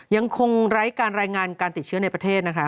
ยังคงไร้การรายงานการติดเชื้อในประเทศนะคะ